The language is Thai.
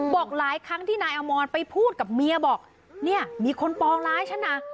บอกหลายครั้งที่นายอมรไปพูดกับเมียบอกเนี่ยมีคนปองร้ายฉันนะ